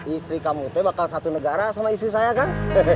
istri kamu itu bakal satu negara sama istri saya kan